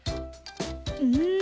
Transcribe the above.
うん。